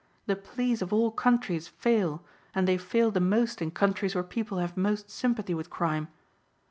The police of all countries fail and they fail the most in countries where people have most sympathy with crime.